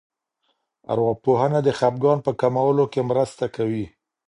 ارواپوهنه د خپګان په کمولو کې مرسته کوي.